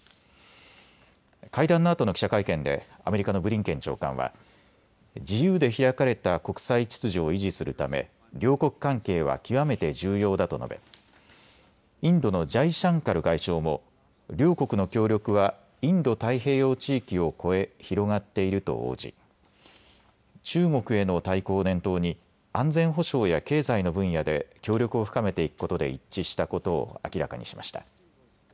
会談のあとの記者会見でアメリカのブリンケン長官は、自由で開かれた国際秩序を維持するため両国関係は極めて重要だと述べインドのジャイシャンカル外相も両国の協力はインド太平洋地域を越え、広がっていると応じ中国への対抗を念頭に安全保障や経済の分野で協力を深めていくことで一致したことを明らかにしました。